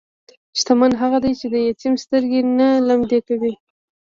شتمن هغه دی چې د یتیم سترګې نه لمدې کوي.